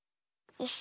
よし。